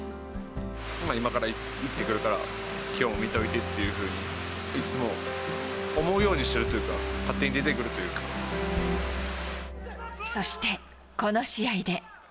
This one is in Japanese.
今から行ってくるから、きょうも見といてっていうふうに、いつも思うようにしてるというか、そしてこの試合で。